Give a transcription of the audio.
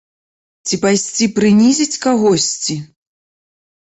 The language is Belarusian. Ці пайсці прынізіць кагосьці?